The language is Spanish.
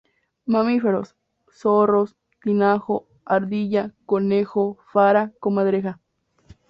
Mamíferos: Zorros, Tinajo, Ardilla, Conejo, Fara, Comadreja.